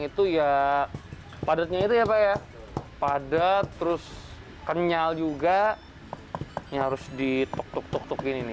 itu ya padatnya itu ya pak ya padat terus kenyal juga ini harus dituk tuk tuk tuk gini